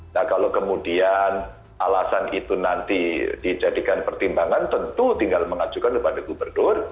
nah kalau kemudian alasan itu nanti dijadikan pertimbangan tentu tinggal mengajukan kepada gubernur